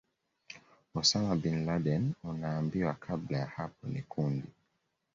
Osama Bin Laden Unaambiwa kabla ya hapo ni kundi